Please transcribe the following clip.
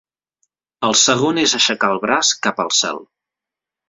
El segon és aixecar el braç cap al cel.